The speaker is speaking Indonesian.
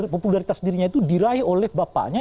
popularitas dirinya itu diraih oleh bapaknya